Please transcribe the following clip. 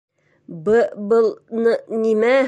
Бы-был н-нимә?!